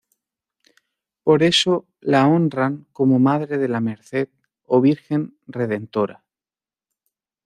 Por eso la honran como Madre de la Merced o Virgen Redentora.